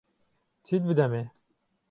چیت بدەمێ؟